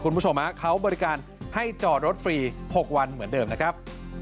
คุณผู้ชมเขาบริการให้จอดรถฟรี๖วันเหมือนเดิมนะครับ